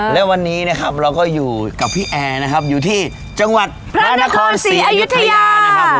แล้ววันนี้เราก็อยู่กับพี่แอนะครับอยู่ที่จังหวัดพระนครศรีอยุธยา